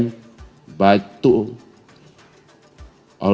tetapi juga untuk berkata